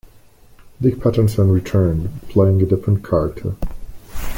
Dick Patterson returned, playing a different character.